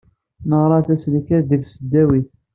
Neɣra tasekla deg tesdawit.